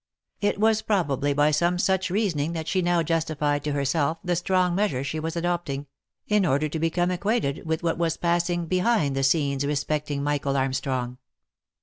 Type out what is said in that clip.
It was probably by some such reasoning that she now justified to herself the strong measure she was adopting ; in order to become ac quainted with what was passing behind the scenes respecting Michael Armstrong.